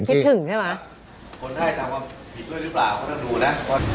คิดถึงใช่มะ